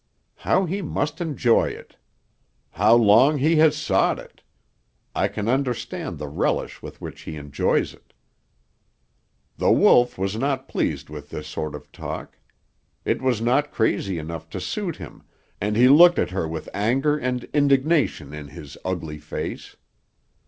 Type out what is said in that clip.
How he must enjoy it! How long he has sought it! I can understand the relish with which he enjoys it.' "The Wolf was not pleased with this sort of talk; it was not crazy enough to suit him, and he looked at her with anger and indignation in his ugly face.